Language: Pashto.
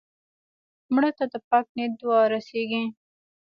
مړه ته د پاک نیت دعا رسېږي